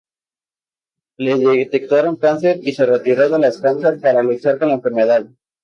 Le detectaron cáncer y se retiró de las canchas para luchar con la enfermedad.